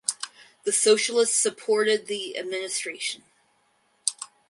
The Socialists supported the administration.